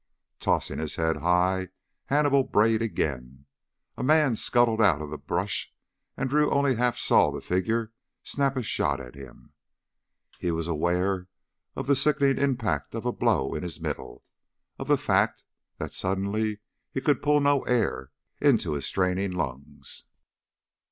Tossing his head high, Hannibal brayed again. A man scuttled out of the brush, and Drew only half saw the figure snap a shot at him. He was aware of the sickening impact of a blow in his middle, of the fact that suddenly he could pull no air into his straining lungs.